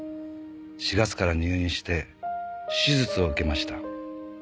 「４月から入院して手術を受けました」